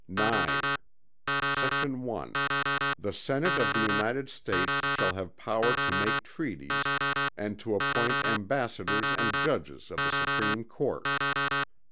VIIII Sect. 1. The Senate of the United States shall have power to make treaties, and to appoint ambassadors and judges of the supreme court.